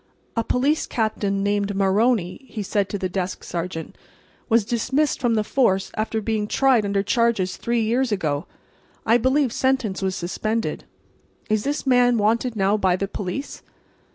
"A police captain named Maroney," he said to the desk sergeant, "was dismissed from the force after being tried under charges three years ago. I believe sentence was suspended. Is this man wanted now by the police?"